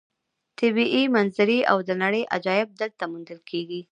طبیعي منظرې او د نړۍ عجایب دلته موندل کېږي.